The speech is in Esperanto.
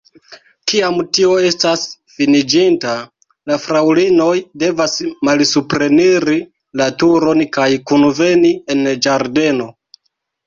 Kiam tio estas finiĝinta, la fraŭlinoj devas malsupreniri la turon kaj kunveni en ĝardeno.